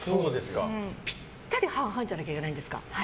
ぴったり半々じゃなきゃいけないんですか？